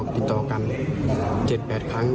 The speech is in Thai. ติดต่อกัน๗๘ครั้ง